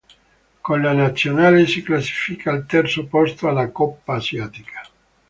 Con la nazionale si classifica al terzo posto alla Coppa asiatica.